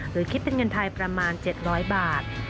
หรือคิดเป็นเงินไทยประมาณ๗๐๐บาท